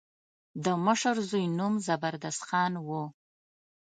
د مشر زوی نوم زبردست خان و.